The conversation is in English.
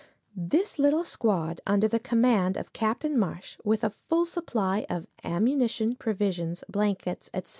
This little squad, under command of Captain Marsh, with a full supply of ammunition, provisions, blankets, etc.